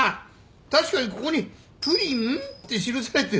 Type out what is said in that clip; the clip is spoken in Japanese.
確かにここに「プリン？」って記されてる。